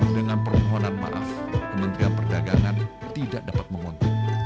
dengan permohonan maaf kementerian perdagangan tidak dapat mengontnya